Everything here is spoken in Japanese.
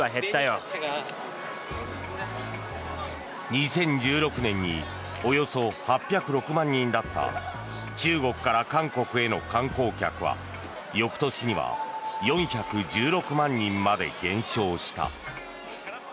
２０１６年におよそ８０６万人だった中国から韓国への観光客は翌年には４１６万人まで減少した。